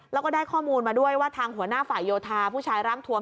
แล้วก็ได้ข้อมูลมาด้วยว่าทางหัวหน้าฝ่ายโยธาผู้ชายร่างทวม